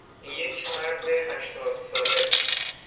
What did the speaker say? یک مرد هشتاد ساله